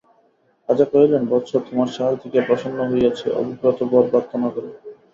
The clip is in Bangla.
রাজা কহিলেন, বৎস, তোমার সাহস দেখিয়া প্রসন্ন হইয়াছি অভিপ্রেত বর প্রার্থনা কর।